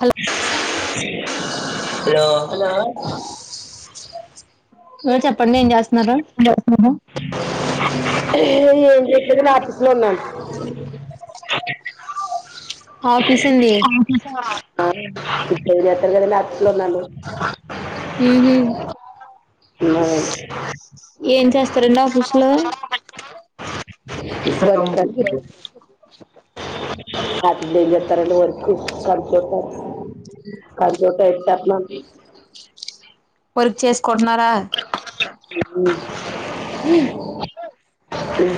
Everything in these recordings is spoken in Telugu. హలో హలో హలో ఆ చెప్పండి ఎంచెస్ ఇండియా వస్తున్నారా [unintelligible] ఏం చే నేను కూడా ఆఫీస్ లో ఉన్నాను ఆఫీస్ అండి ఇప్పడి దాకా నేను ఆఫీస్ లో ఉన్నాను ఉహు రూమ్ [unintelligible] ఏం చేస్తారండి ఆఫీస్ లో హ ఏం జెత్తారండి వరకు హుమ్ కర్చోట కర్చోట ఇట్ట మ [unintelligible] వర్క్ చేస్ కొన్నారా హుమ్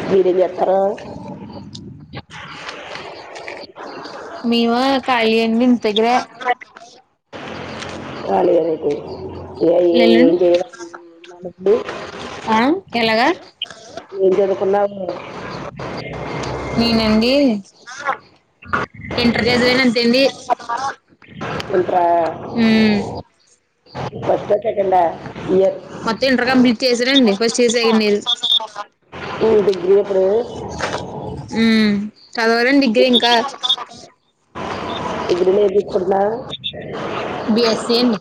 మీది ఎక్కడ మేము కలీ అండి ఇంటి దగ్గర [inaudible] కాలి గా నేటి ఇ ఎల్లుండి ఏం చదువుకున్నారండీ ఆ ఎలాగా ఏం చదువుకున్నావు [unintelligible] [inaudible] నేనండి ఇంటర్ చదివాను అంతేండి [inaudible] ఆ ఫస్ట్ ఆ సెకండ్ ఆ మొత్తం ఇంటర్ కంప్లీట్ చేసానండి ఫస్ట్ ఇయర్ సెకండ్ ఇయర్ ఈయన డిగ్రీ ఎప్పుడు మ్మ్ చదవాలండి డిగ్రీ ఇంకా ఏవండీ ఇది ఎక్కడున్నా సరే బి ఎస్ ఏమి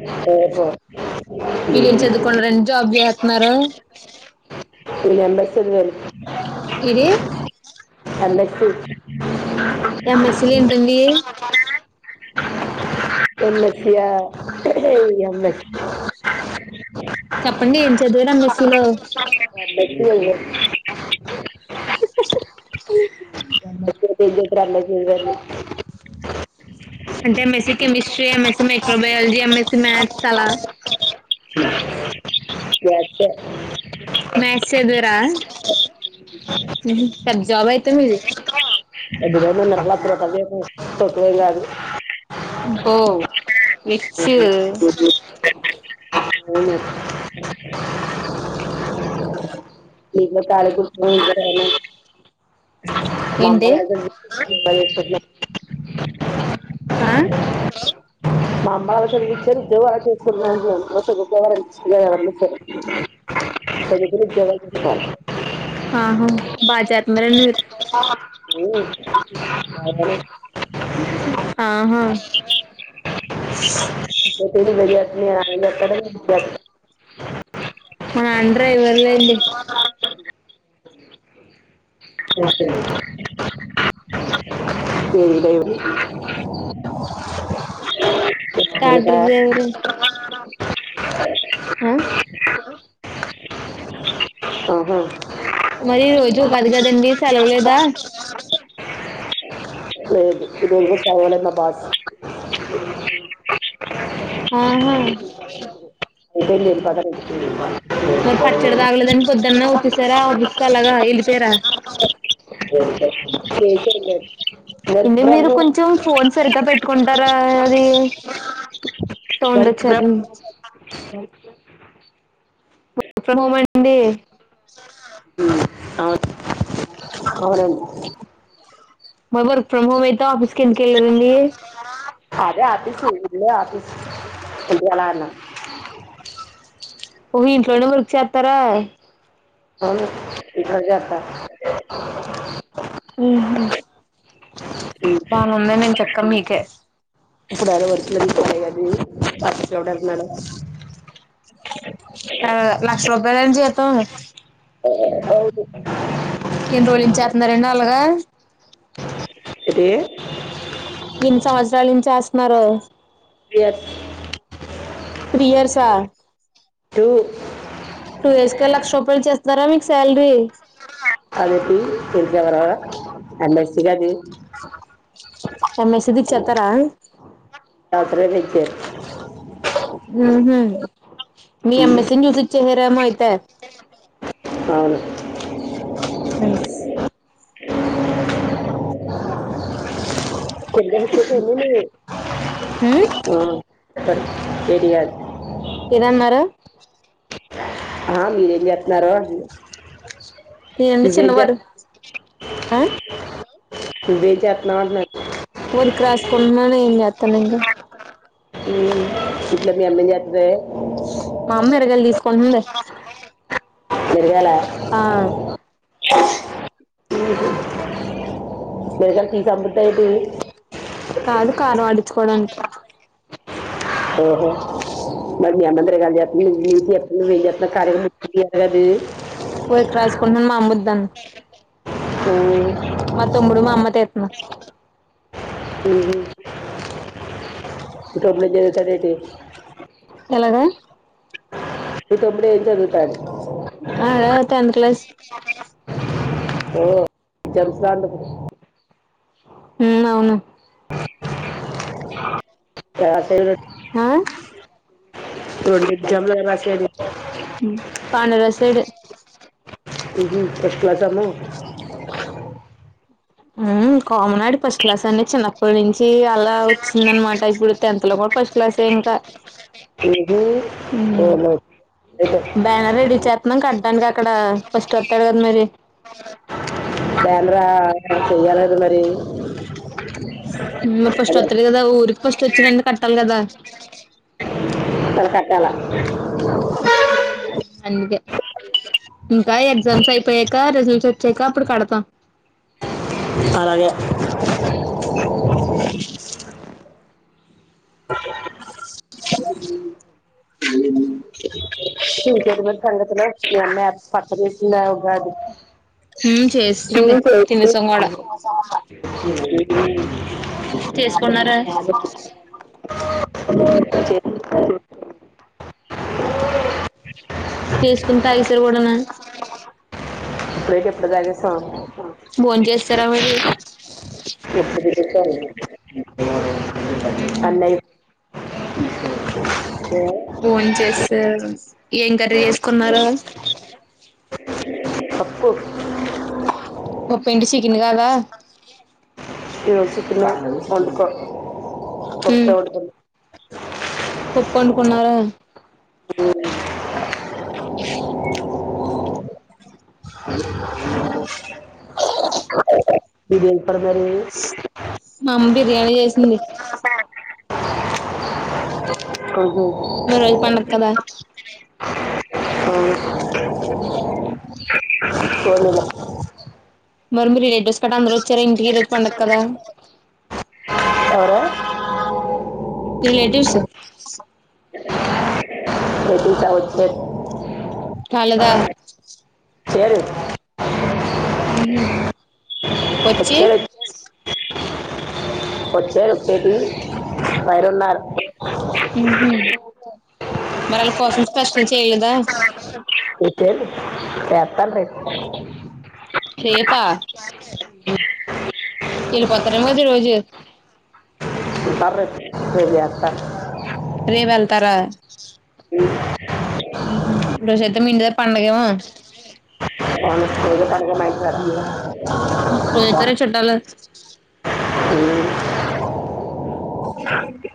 హ్మ్ హు మీరు ఏం చదువుకున్నారండి జాబ్ చేసేతున్నారు B A M S M E ఇది కండక్ట్రు ఉ [inaudible] ఎమ్ ఎస్ లో ఏంటండి M S yeah M S చెప్పండి ఏం చదివరా మెస్సీలో ఎంఎస్సీ ఎంఎస్సీ ఏం చేస్తారు ఎంఎస్సీ గారిని అంటే ఎమ్ ఎస్ ఈ కెమిిస్ట్రీ మెస్ microbiology M S E maths అలా [inaudible] మ్యాథ్స్ చదివారా పెద్ద జాబ్ అయితే మీది సదువు అయిపోయింది తొక్కెం కాదు విచ్చు అవున [inaudible] మమ్మ ఏంటి అ హలో ఆ మామ్మ వస విచారిద్ద చేసుకున్నా వ వ చదువుకొని ఉద్యోగాలు చేసుకుంటున్నాం ఆహా బాగా చేస్తున్నారండి మీరు హూ బాగానే ఆహ [inaudible] ఇంటికి వెళ్ళండి ఆయన దగ్గర నా డ్రెస్ మా నాన్ డ్రైవర్ లేండి [inaudible] [inaudible] [inaudible] ఉమ్ దైవరి ఉహ హు మనక టాక్టర్ డ్రైవర్ ఆ అహా మరి రొజు కాదుగద్ అదండి సెలవ లేదా అ లేదు ఇ రోజు తవలన్న పాట బబ స [inaudible] ఆహ ఇద లే పద [inaudible] ధన్య వాద్ మోర్ పచ్చడి తాగలేదాని పొద్దున్న ఊచ్చసరా వపిస్తా అలాగా ఆ ఇళ్లి పేర వర్క్ ఫ్రమ్ హోమ్ స్తరా అది వర్క్ ఫ్రమ్ తోండచ్చేతుంది వర్క్ ఫ్రమ్ హోమ్ అండి అవున్ అవునండి మ వర్క్ ఫ్రమ్ హోమ్ అయిత ఆఫీస్కి ఎందుకెళ్ళ రండి లే ఆఫీస్ తగ్యల అన్నా ఒహో ఇంట్లోనే వర్క్ చే తరా అవును ఇక్కడో జత బావుందని నేను చెప్పా మీకే [unintelligible] ఆ లక్ష రూపాయలని చెప్పి త ఐదు ఎన్ని రోజుల నుంచి చేస్తున్నారండి అలాగా ఏ మరే త్రీ ఇయర్సా టూ టూ ఇయర్స్ కే లక్ష రూపాయలు చేస్ జర మీక్స్ అదేటి [unintelligible] ఆ నర్సిగాడు ఆ మెస్ ది ఇచ్చేత్తారా కొ ఊహూ మీ [unintelligible] చహరాముయితే అవును ఓస్ ఉమ్ [unintelligible] పెడియాదు తినన్నారు ఆ మీరేం చేత్తన్నారు అంటన్న నేనండి చిన్నవారు ఆ నువ్వేం చేస్తున్నావు అంటున్నాను [unintelligible] ఏం చేత్తనింక హ్మ్ ఇట్ల మీ అమ్మేం చేత్తదే మా అమ్మ ఎరగలి తీసుకుంటంది. ఎరిగాాల ఆ మిరగాయలు తీసి అమ్ముద్దా ఏటి కాదు కారం ఆడించుకోడానికి ఓహో మరి అందరి దగ్గర [inaudible] [inaudible] ఏందీ వర్క్ రాసుకున్న వద్దా అ మా అమ్మ తెస్తున్నారు ఉ [inaudible] తావేంటి ఎలాగ ఇప్పుఇప్పుడే అడ టెన్త్ క్లాస్ ఓ జరుగుతాంటాది మ్మ్ అవును క్లాస్ ఆ మొన్న ఎగ్జామ్స్ ఎలా రాశారు బానే రాశాడు [inaudible] కామన్ ఆడు ఫస్ట్ క్లాస్ అని చిన్నప్పటి నుంచి అలా వచ్చింద అనమాట ఇప్పుడు టెన్త్ లో కూడా ఫస్ట్ క్లాసే ఇంకా ఏందీ తనకు అక్కడ ఫస్ట్ వత్తాడు కదా మరి ఫోర్త్ రావాలి మరి [inaudible] మ్మ్ ఫస్ట్ ఫస్ట్ అదే వస్తారు కదా ఊరికి ఫస్ట్ వచ్చినందుకు కట్టాలి కదా మ్మ్ కట్టాలా అందుకే ఇంకా ఎగ్జామ్స్ అయిపోయాక రిజల్ట్స్ వచ్చాక అప్పుడు కడతాం అలాగే [inaudible] హ్మ్ చేస్తుంది తినేసాం కూడా చేసుకున్నారా [inaudible] చేసుకుని తాగేసారు కూడానా [inaudible] భోంచేశారా మీరే చెప్పాలి ఇంకా ఆ ఉహు అండి భోంచేశారు ఏం కర్రీ చేసుకున్నారో పప్పు పప్పేంటి చికిన్ కాదా ఇదిగో చికెనంట వండుకో పప్పే వండుకొని తి పప్పండుకున్నారా ఆ ఇది ఇప్పుడు మరి మామ్మ బిర్యానీ చేసింది. అహ మరి అది పండగ కదా అవును. ఏమి లే మరి మీరు రిలేటివ్స్ ఇక్కట అందరు వచ్చారెంటీ ఈ రోజు పండగ కదా అవునా రిలేటివ్స్ నొప్పుల్ కావచ్చేట్ తాలదా చేరు ఉహు వచ్చి వచ్చాడ్ వచ్చాడు. వచ్చాడ్ వచ్చేటివి. బైటున్నారు మరలకోసం స్పెషల్ స్పెషల్ చేయాలి. లేద్లే ఎత్తలే రేపు రేపా రేపే వెళ్ళిపోతారేమో ఈ రోజు సరేస్తే రేపేస్తా రేపు వెళ్తారా ఊహూ ఈ రోజు అయితే మీ ఇంటి దగ్గర పండగేమో అవును పిర్లపండగ మా ఇన్ తపిర హు ఈ రోజ్ వచ్చారా చుట్టాలు అకే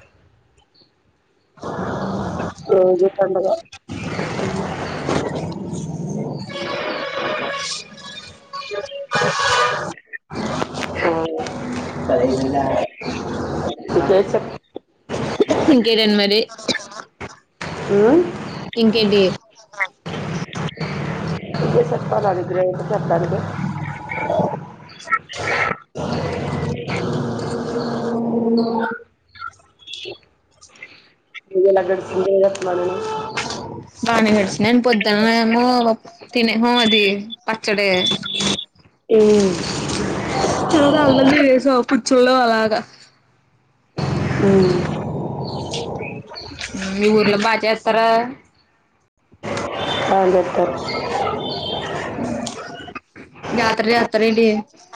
ఏది దన్డగా [unintelligible] ఆ ఇంకేంటండి మరి ఊ ఇంకేంటియి నువ్వే చెప్పాలా నా దగ్గర ఏం ఉంది చెప్టానికి అవునా [unintelligible] బానే గడిచిన పొద్దున్నఏమో తినే అది పచ్చడే ఏం తర్వాత అళ్ మీ సో కూర్చోల్లో అలాగా ఉమ్ మీ ఊర్లో బాగా చేస్తారా బాచేత్తారు జాతర చేత్తార ఏంటి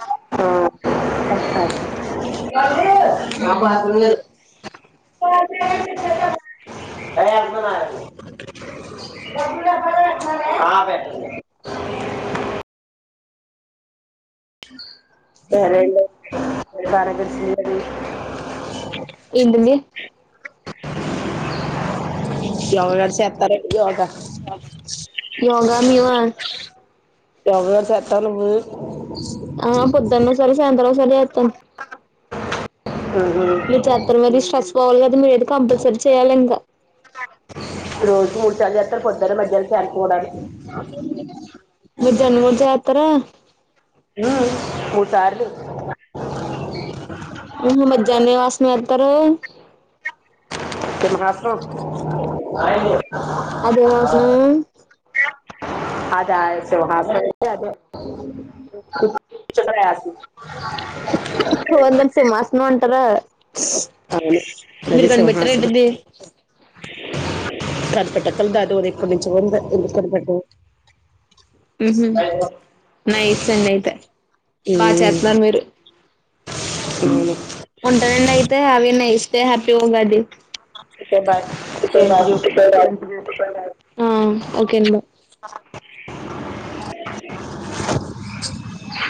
ఆ [unintelligible] [unintelligible] [unintelligible] [inaudible] సరే అండీ రేపనకచ్చే [inaudible] ఏంటిది యోగ గారు చేస్తారండి యోగ యోగా మేవా యోగ తలుపు సరే అత్త ఉహు. మీరు ఛత్రవారీ స్ట్రెస్ పోవాలి కదా మీరు అయితే కంపల్సరీ చేయాలి ఇంకా రోజు మూడు సార్ల చెత్తర్ పొద్దున్న మధ్యాహ్నం సాయంత్రం కూడా మీరు జన్మూర్జాతర ఉం ఉమ్ మూడు సార్లు [inaudible] ఉహు మజ్యాహ్నం ఎం ఆసనం ఎత్తారు [unintelligible] అదేం ఆసనం [unintelligible] [unintelligible] [inaudible] [inaudible] ఉంటార అవును మీరు అది సింహాసనం కనిపెట్టారేంటండి [inaudible] హ్ నై [unintelligible] సన్నైతే బా ఉమ్ చేత్తున్నారు మీరు అవును ఉంటానండి అయితే have a nice day happy Ugadi okay bye [inaudible] [unintelligible]